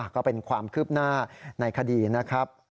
ก็เป็นความคืบหน้าในคดีนะครับ